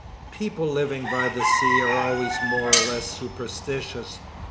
People living by the sea are always more or less superstitious.